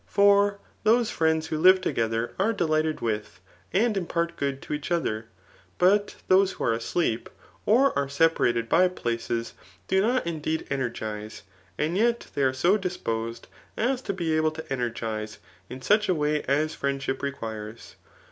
For those friends who five together are delighted with, and impart good to each other; but those who are asleep, or are separated by places, do not indeed energize, and yet they are so dis posed as to be able to energize in such a way as friend ship requires.